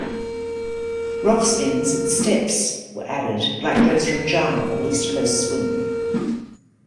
"Rock spins" and "steps" were added, like those from Jive and East Coast Swing.